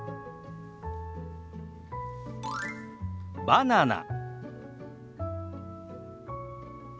「バナナ」。